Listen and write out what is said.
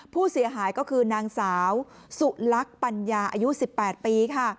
ผู้เสียหายก็คือนางสาวสุลักษณ์ปัญญาอายุ๑๘ปีค่ะ